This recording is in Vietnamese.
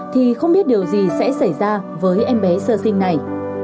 thì không biết điều gì sẽ xảy ra với em bé sơ sinh này